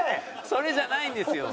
それじゃないんですよ。